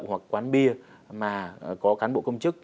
hoặc quán bia mà có cán bộ công chức